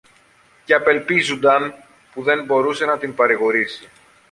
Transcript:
και απελπίζουνταν που δεν μπορούσε να την παρηγορήσει.